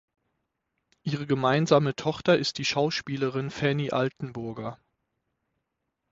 Ihre gemeinsame Tochter ist die Schauspielerin Fanny Altenburger.